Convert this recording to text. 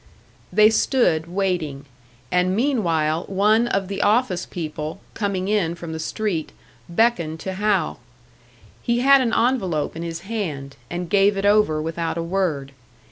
They stood waiting; and meanwhile, one of the office people, coming in from the street, beckoned to Hal. He had an envelope in his hand, and gave it over without a word.